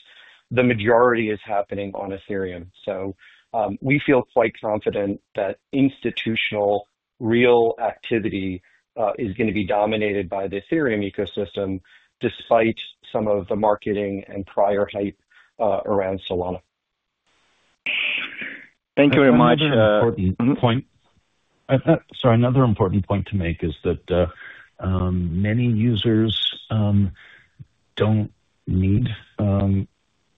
the majority is happening on Ethereum. We feel quite confident that institutional real activity is going to be dominated by the Ethereum ecosystem, despite some of the marketing and prior hype around Solana. Thank you very much. Another important point. Sorry, another important point to make is that many users don't need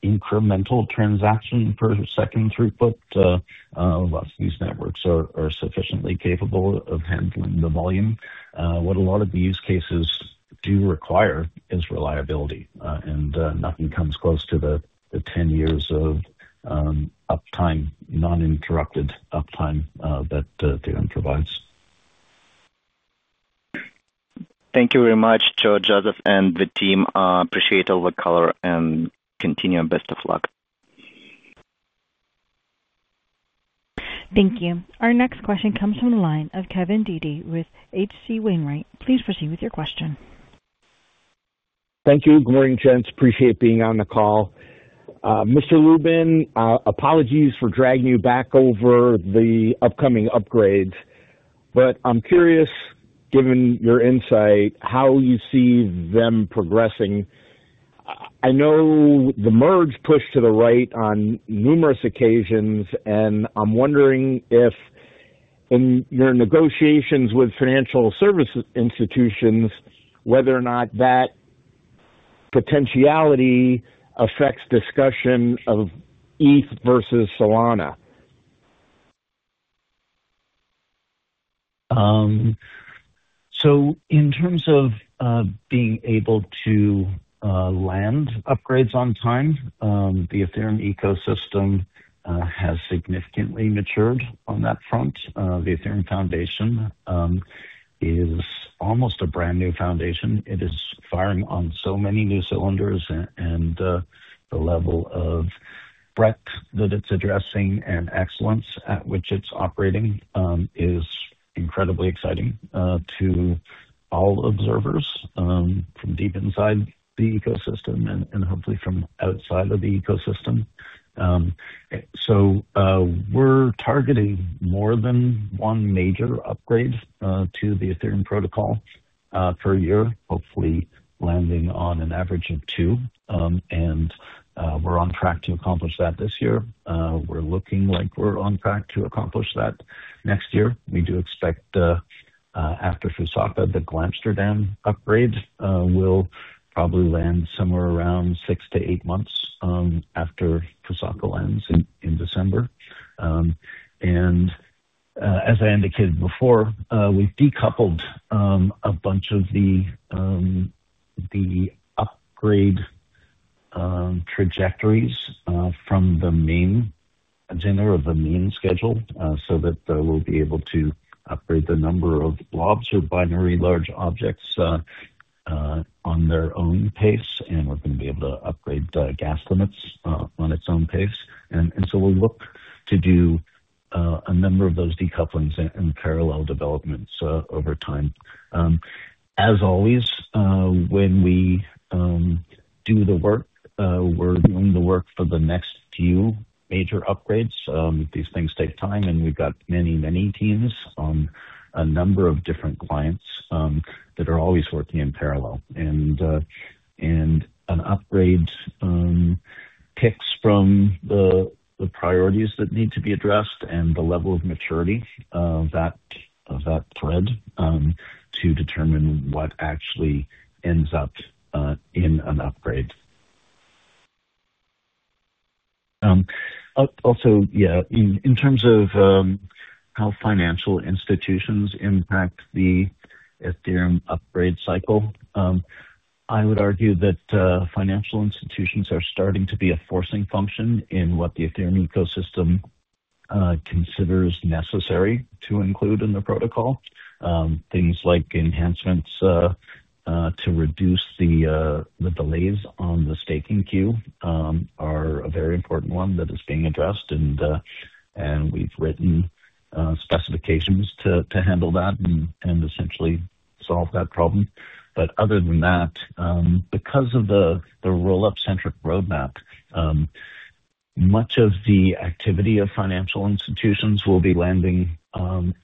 incremental transaction per second throughput. A lot of these networks are sufficiently capable of handling the volume. What a lot of the use cases do require is reliability. Nothing comes close to the 10 years of uptime, non-interrupted uptime that Ethereum provides. Thank you very much, Joe, Joseph, and the team. Appreciate all the color and continue your best of luck. Thank you. Our next question comes from the line of Kevin Dede with H.C. Wainwright. Please proceed with your question. Thank you. Appreciate being on the call. Mr. Lubin, apologies for dragging you back over the upcoming upgrades. I am curious, given your insight, how you see them progressing. I know the merge pushed to the right on numerous occasions. I am wondering if in your negotiations with financial service institutions, whether or not that potentiality affects discussion of ETH versus Solana. In terms of being able to land upgrades on time, the Ethereum ecosystem has significantly matured on that front. The Ethereum Foundation is almost a brand new foundation. It is firing on so many new cylinders. The level of breadth that it's addressing and excellence at which it's operating is incredibly exciting to all observers from deep inside the ecosystem and hopefully from outside of the ecosystem. We're targeting more than one major upgrade to the Ethereum protocol per year, hopefully landing on an average of two. We're on track to accomplish that this year. We're looking like we're on track to accomplish that next year. We do expect after Fusaka, the Glamsterdam upgrade will probably land somewhere around six to eight months after Fusaka lands in December. As I indicated before, we've decoupled a bunch of the upgrade trajectories from the main agenda or the main schedule so that we'll be able to upgrade the number of blobs or binary large objects on their own pace. We're going to be able to upgrade gas limits on its own pace. We'll look to do a number of those decouplings and parallel developments over time. As always, when we do the work, we're doing the work for the next few major upgrades. These things take time. We've got many, many teams on a number of different clients that are always working in parallel. An upgrade picks from the priorities that need to be addressed and the level of maturity of that thread to determine what actually ends up in an upgrade. Also, yeah, in terms of how financial institutions impact the Ethereum upgrade cycle, I would argue that financial institutions are starting to be a forcing function in what the Ethereum ecosystem considers necessary to include in the protocol. Things like enhancements to reduce the delays on the staking queue are a very important one that is being addressed. We have written specifications to handle that and essentially solve that problem. Other than that, because of the roll-up-centric roadmap, much of the activity of financial institutions will be landing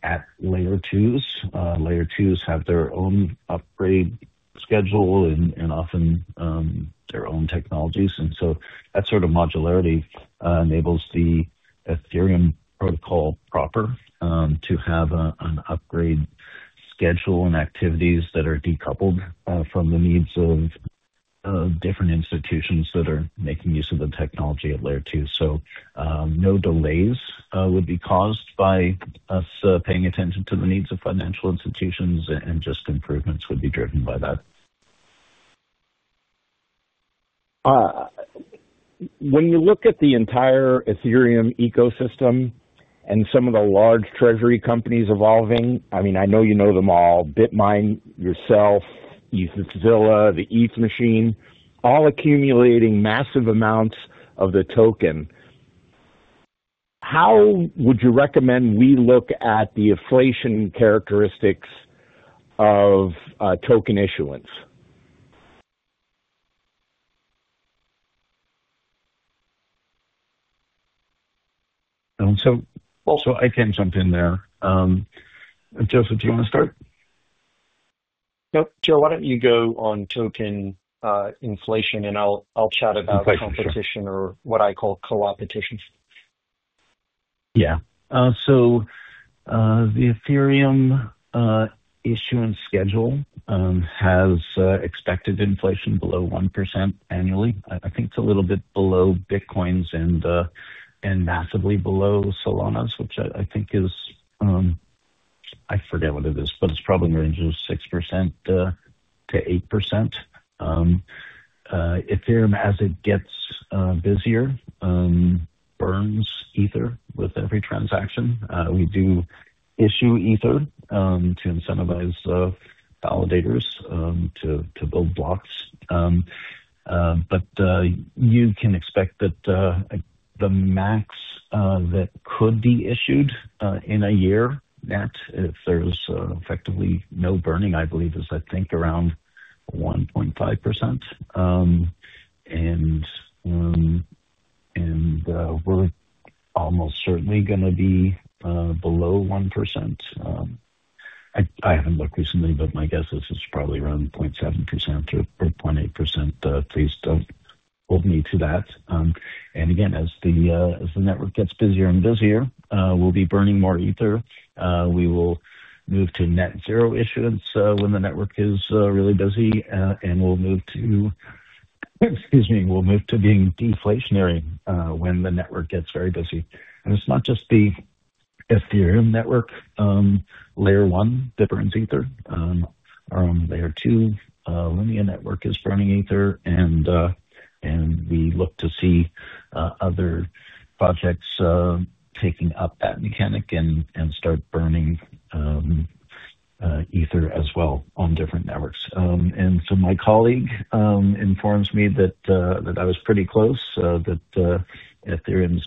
at Layer 2s. Layer 2s have their own upgrade schedule and often their own technologies. That sort of modularity enables the Ethereum protocol proper to have an upgrade schedule and activities that are decoupled from the needs of different institutions that are making use of the technology at Layer 2. No delays would be caused by us paying attention to the needs of financial institutions, and just improvements would be driven by that. When you look at the entire Ethereum ecosystem and some of the large treasury companies evolving, I mean, I know you know them all: BitMine, yourself, ETHZilla, The Ether Machine, all accumulating massive amounts of the token. How would you recommend we look at the inflation characteristics of token issuance? I can jump in there. Joseph, do you want to start? No, Joe, why don't you go on token inflation, and I'll chat about competition or what I call co-opetition. Yeah. So the Ethereum issuance schedule has expected inflation below 1% annually. I think it's a little bit below Bitcoin's and massively below Solana's, which I think is, I forget what it is, but it's probably in the range of 6%-8%. Ethereum, as it gets busier, burns Ether with every transaction. We do issue Ether to incentivize validators to build blocks. You can expect that the max that could be issued in a year, net, if there's effectively no burning, I believe, is I think around 1.5%. We're almost certainly going to be below 1%. I haven't looked recently, but my guess is it's probably around 0.7% or 0.8%. Please don't hold me to that. Again, as the network gets busier and busier, we'll be burning more Ether. We will move to net zero issuance when the network is really busy. We'll move to, excuse me, we'll move to being deflationary when the network gets very busy. It's not just the Ethereum network. Layer 1 burns Ether. Layer 2, Linea network is burning Ether. We look to see other projects taking up that mechanic and start burning Ether as well on different networks. My colleague informs me that I was pretty close, that Ethereum's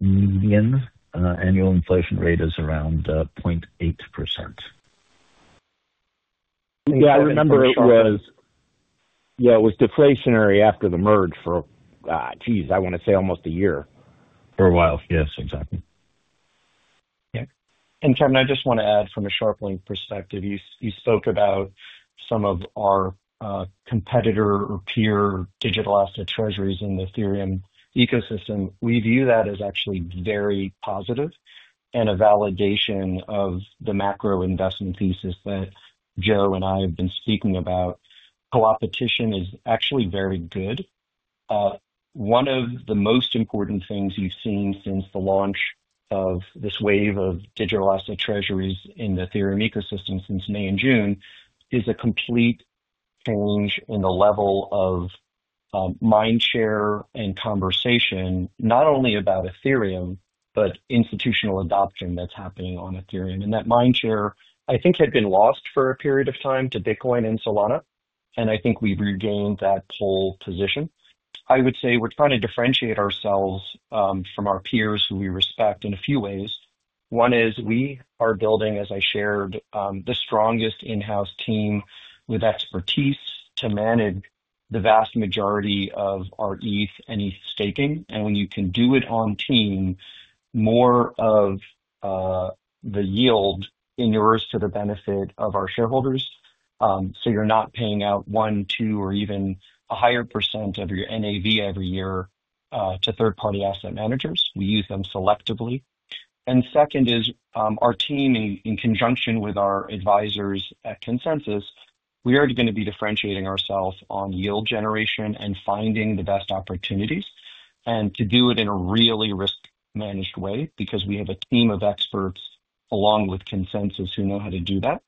median annual inflation rate is around 0.8%. Yeah, I remember it was, yeah, it was deflationary after the merge for, geez, I want to say almost a year. For a while, yes, exactly. Yeah. Kevin, I just want to add from a SharpLink perspective, you spoke about some of our competitor or peer digital asset treasuries in the Ethereum ecosystem. We view that as actually very positive and a validation of the macro investment thesis that Joe and I have been speaking about. Co-opetition is actually very good. One of the most important things you've seen since the launch of this wave of digital asset treasuries in the Ethereum ecosystem since May and June is a complete change in the level of mind share and conversation, not only about Ethereum, but institutional adoption that's happening on Ethereum. That mind share, I think, had been lost for a period of time to Bitcoin and Solana. I think we've regained that pole position. I would say we're trying to differentiate ourselves from our peers who we respect in a few ways. One is we are building, as I shared, the strongest in-house team with expertise to manage the vast majority of our ETH and ETH staking. When you can do it on team, more of the yield is yours to the benefit of our shareholders. You're not paying out 1%, 2%, or even a higher percent of your NAV every year to third-party asset managers. We use them selectively. Our team, in conjunction with our advisors at ConsenSys, we are going to be differentiating ourselves on yield generation and finding the best opportunities and to do it in a really risk-managed way because we have a team of experts along with ConsenSys who know how to do that.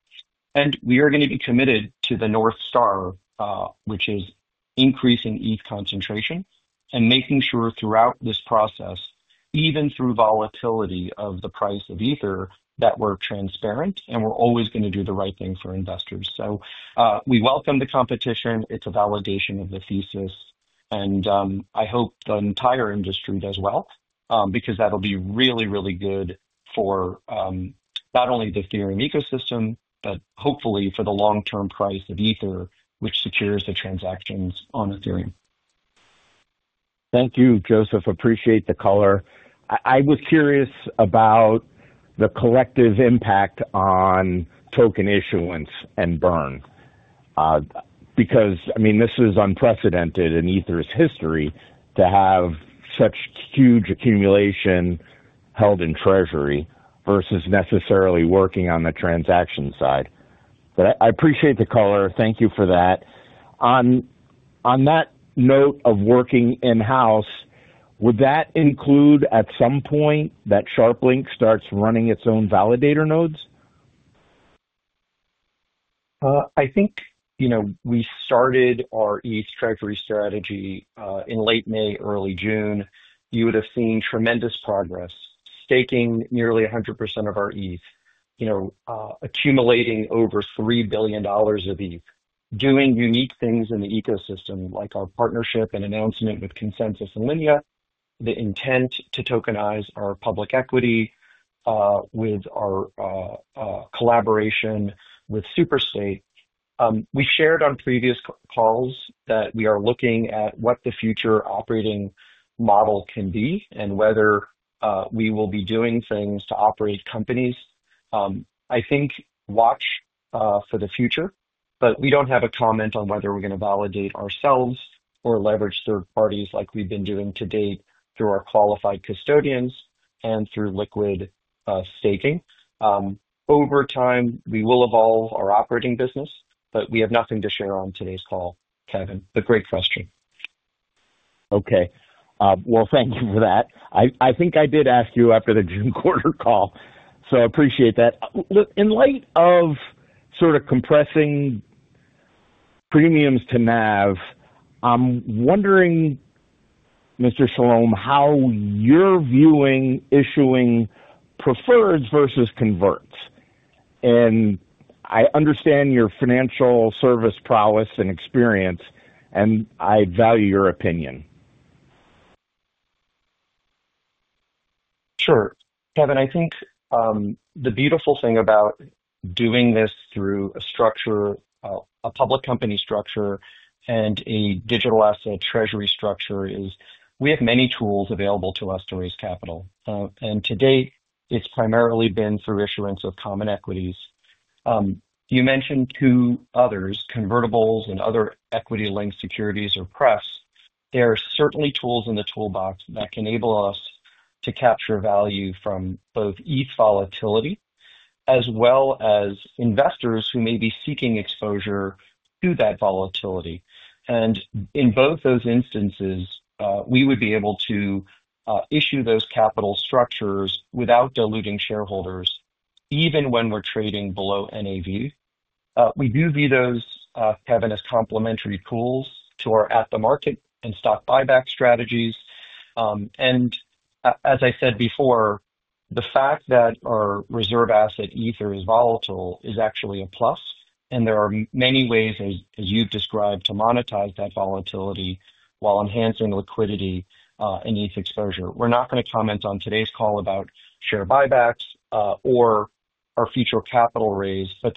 We are going to be committed to the North Star, which is increasing ETH concentration and making sure throughout this process, even through volatility of the price of Ether, that we're transparent and we're always going to do the right thing for investors. We welcome the competition. It's a validation of the thesis. I hope the entire industry does well because that'll be really, really good for not only the Ethereum ecosystem, but hopefully for the long-term price of Ether, which secures the transactions on Ethereum. Thank you, Joseph. Appreciate the color. I was curious about the collective impact on token issuance and burn because, I mean, this is unprecedented in Ether's history to have such huge accumulation held in treasury versus necessarily working on the transaction side. I appreciate the color. Thank you for that. On that note of working in-house, would that include at some point that SharpLink starts running its own validator nodes? I think we started our ETH treasury strategy in late May, early June. You would have seen tremendous progress, staking nearly 100% of our ETH, accumulating over $3 billion of ETH, doing unique things in the ecosystem like our partnership and announcement with ConsenSys and Linea, the intent to tokenize our public equity with our collaboration with Superstate. We shared on previous calls that we are looking at what the future operating model can be and whether we will be doing things to operate companies. I think watch for the future, but we do not have a comment on whether we are going to validate ourselves or leverage third parties like we have been doing to date through our qualified custodians and through liquid staking. Over time, we will evolve our operating business, but we have nothing to share on today's call, Kevin. Great question. Okay. Thank you for that. I think I did ask you after the June quarter call. I appreciate that. In light of sort of compressing premiums to NAV, I am wondering, Mr. Chalom, how you are viewing issuing preferreds versus converts. I understand your financial service prowess and experience, and I value your opinion. Sure. Kevin, I think the beautiful thing about doing this through a structure, a public company structure, and a digital asset treasury structure is we have many tools available to us to raise capital. To date, it has primarily been through issuance of common equities. You mentioned two others, convertibles and other equity-linked securities or preps. There are certainly tools in the toolbox that can enable us to capture value from both ETH volatility as well as investors who may be seeking exposure to that volatility. In both those instances, we would be able to issue those capital structures without diluting shareholders, even when we are trading below NAV. We do view those, Kevin, as complementary tools to our at-the-market and stock buyback strategies. As I said before, the fact that our reserve asset Ether is volatile is actually a plus. There are many ways, as you've described, to monetize that volatility while enhancing liquidity and ETH exposure. We're not going to comment on today's call about share buybacks or our future capital raise, but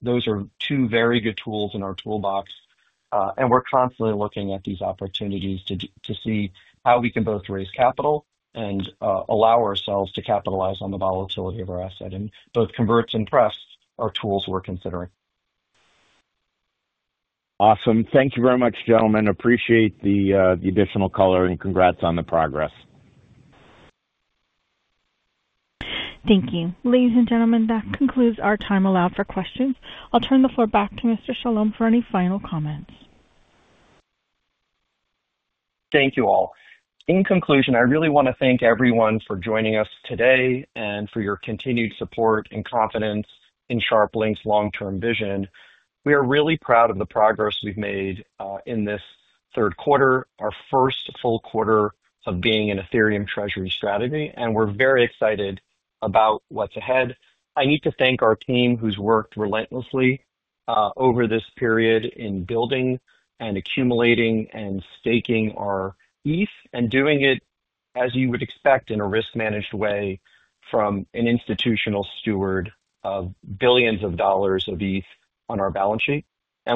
those are two very good tools in our toolbox. We're constantly looking at these opportunities to see how we can both raise capital and allow ourselves to capitalize on the volatility of our asset. Both converts and preps are tools we're considering. Awesome. Thank you very much, gentlemen. Appreciate the additional color and congrats on the progress. Thank you. Ladies and gentlemen, that concludes our time allowed for questions. I'll turn the floor back to Mr. Chalom for any final comments. Thank you all. In conclusion, I really want to thank everyone for joining us today and for your continued support and confidence in SharpLink's long-term vision. We are really proud of the progress we've made in this third quarter, our first full quarter of being an Ethereum treasury strategy. We're very excited about what's ahead. I need to thank our team who's worked relentlessly over this period in building and accumulating and staking our ETH and doing it, as you would expect, in a risk-managed way from an institutional steward of billions of dollars of ETH on our balance sheet.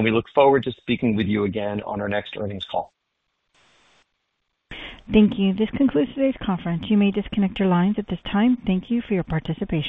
We look forward to speaking with you again on our next earnings call. Thank you. This concludes today's conference. You may disconnect your lines at this time. Thank you for your participation.